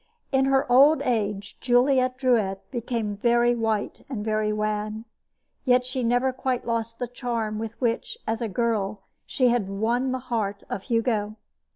In her old age, Juliette Drouet became very white and very wan; yet she never quite lost the charm with which, as a girl, she had won the heart of Hugo.